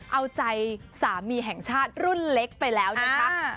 เอาใจสามีแห่งชาติรุ่นเล็กไปแล้วนะคะ